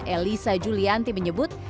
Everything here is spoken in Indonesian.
elisa julianti menyebut